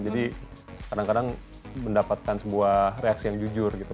jadi kadang kadang mendapatkan sebuah reaksi yang jujur gitu